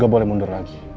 gak boleh mundur lagi